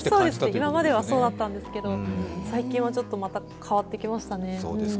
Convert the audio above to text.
今まではそうだったんですけど、最近はまたちょっと変わってきましたね。